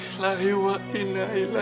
lalu kita menyemeda